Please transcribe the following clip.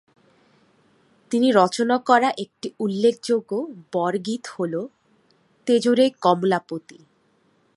তিনি রচনা করা একটি উল্লেখযোগ্য বরগীত হল: তেজরে কমলাপতি।